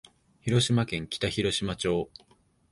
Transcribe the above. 広島県北広島町